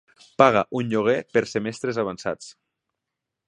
Pagar un lloguer per semestres avançats.